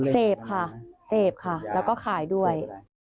เสพค่ะแล้วก็ขายด้วย